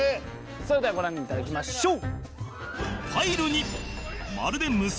それではご覧頂きましょう！